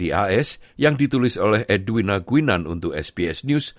dapat diakses kepada semua orang australia